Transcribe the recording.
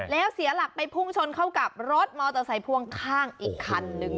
แล้วเสียหลักไปพุ่งชนเข้ากับรถมอเตอร์ไซค์พ่วงข้างอีกคันนึง